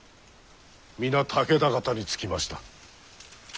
皆武田方につきました。